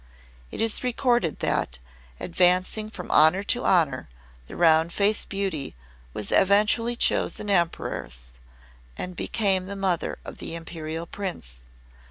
It is recorded that, advancing from honour to honour, the Round Faced Beauty was eventually chosen Empress and became the mother of the Imperial Prince.